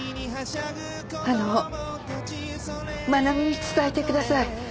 あの愛美に伝えてください。